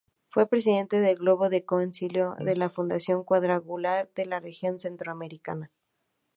Fue presidente del globo de concilio de la fundación cuadrangular de la región centroamericana.